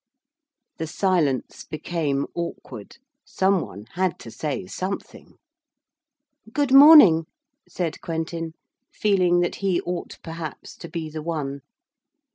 The silence became awkward. Some one had to say something. 'Good morning,' said Quentin, feeling that he ought perhaps to be the one.